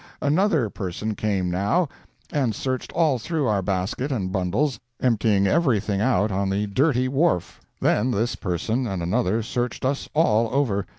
Another person came now, and searched all through our basket and bundles, emptying everything out on the dirty wharf. Then this person and another searched us all over.